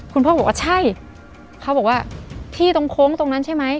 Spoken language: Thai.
คุณพ่อบอกว่าใช่เขาบอกว่าที่ตรงโค้งตรงนั้นใช่ไหม